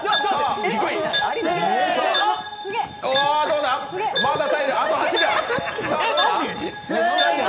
どうだ！